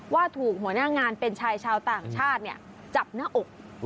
ว่าถูกหัวหน้างานเป็นชายชาวต่างชาติจับหน้าอก